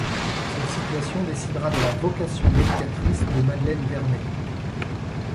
Cette situation décidera de la vocation d’éducatrice de Madeleine Vernet.